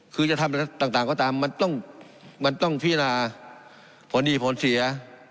คือจะทำอะไรต่างก็ตามมันต้องพินาผลดีผลเสีย